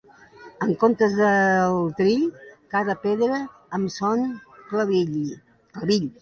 El compte del trill: cada pedra amb son clavill.